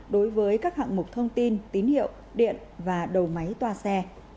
đối với các hạng mục thông tin tín hiệu điện và đầu máy toa xe